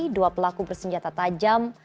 dua pelaku bersenjata tajam